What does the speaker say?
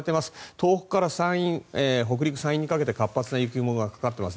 東北から山陰、北陸山陰にかけて活発な雨雲がかかっています。